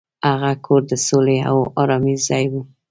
هغه کور د سولې او ارامۍ ځای و.